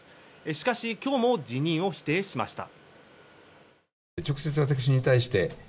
しかし今日も辞任を否定しました。